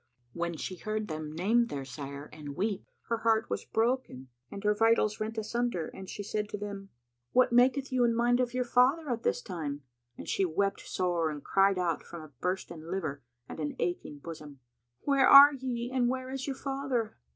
When she heard them name their sire and weep, her heart was broken and her vitals rent asunder and she said to them, "What maketh you in mind of your father at this time?" And she wept sore and cried out, from a bursten liver and an aching bosom, "Where are ye and where is your father?"